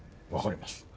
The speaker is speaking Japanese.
分かります。